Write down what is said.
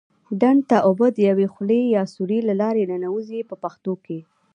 ډنډ ته اوبه د یوې خولې یا سوري له لارې ننوزي په پښتو کې.